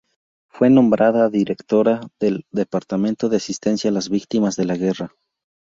Fue nombrada directora del Departamento de Asistencia a las Víctimas de la Guerra.